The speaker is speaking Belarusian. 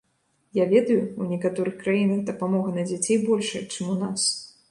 Я ведаю, ў некаторых краінах дапамога на дзяцей большая, чым ў нас.